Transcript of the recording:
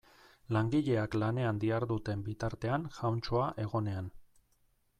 Langileak lanean diharduten bitartean jauntxoa egonean.